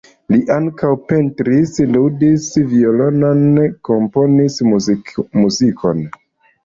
Li ankaŭ pentris, ludis violonon, komponis muzikon.